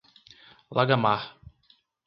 Lagamar